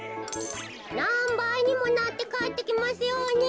なんばいにもなってかえってきますように。